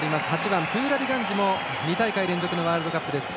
８番、プーラリガンジも２大会連続のワールドカップです